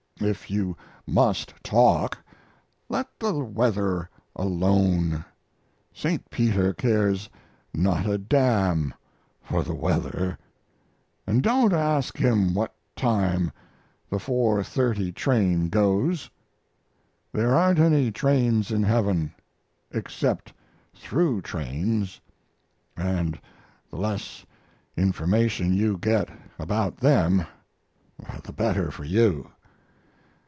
If you must talk let the weather alone. St. Peter cares not a damn for the weather. And don't ask him what time the 4.30 train goes; there aren't any trains in heaven, except through trains, and the less information you get about them the better for you.